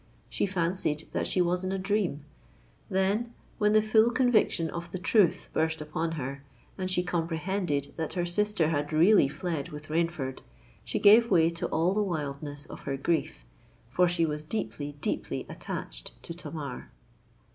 She fancied that she was in a dream: then, when the full conviction of the truth burst upon her, and she comprehended that her sister had really fled with Rainford, she gave way to all the wildness of her grief—for she was deeply, deeply attached to Tamar!